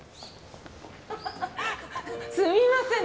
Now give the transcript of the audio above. すみません。